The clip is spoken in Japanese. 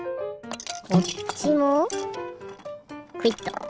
こっちもクイッと。